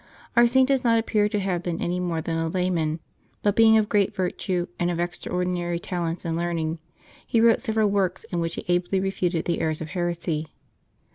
Our Saint does not appear to have been any more than a layman; but being of great virtue, and of extraordinary talents and learning, he wrote several works in which he ably refuted the errors of heresy.